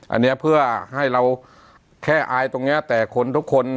อันนี้เพื่อให้เราแค่อายตรงเนี้ยแต่คนทุกคน